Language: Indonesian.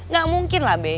gak mungkin lah be